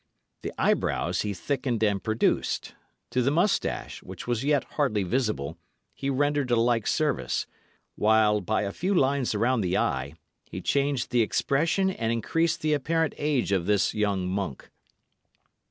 The eyebrows he thickened and produced; to the moustache, which was yet hardly visible, he rendered a like service; while, by a few lines around the eye, he changed the expression and increased the apparent age of this young monk.